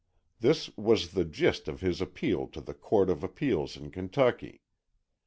This was the gist of his appeal to the Court of Appeals of Kentucky.